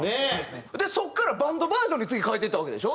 そこからバンドバージョンに次変えていったわけでしょ？